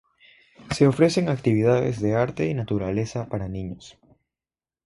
Se ofrecen actividades de arte y naturaleza para niños.